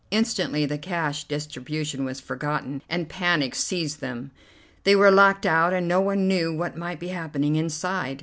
Instantly the cash distribution was forgotten, and panic seized them. They were locked out, and no one knew what might be happening inside.